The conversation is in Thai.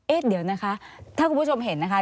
เดี๋ยวนะคะถ้าคุณผู้ชมเห็นนะคะ